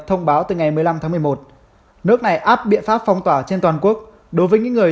thông báo từ ngày một mươi năm tháng một mươi một nước này áp biện pháp phong tỏa trên toàn quốc đối với những người